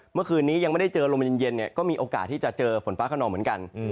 เมื่อคืนนี้ยังไม่ได้เจอลมเย็นเนี่ยก็มีโอกาสที่จะเจอฝนฟ้าขนองเหมือนกัน